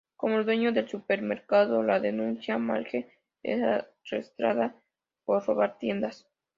Como el dueño del supermercado la denuncia, Marge es arrestada por robar tiendas.